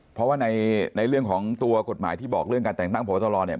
เพราะว่าในเรื่องของตัวกฎหมายที่บอกเรื่องการแต่งตั้งพบตรเนี่ย